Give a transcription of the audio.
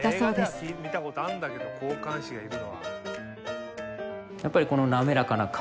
映画では見たことあんだけど交換手がいるのは。